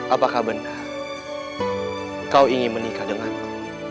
apakah benar kau ingin menikah dengan aku